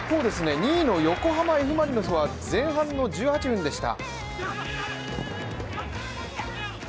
２位の横浜Ｆマリノスは前半の１８分でした。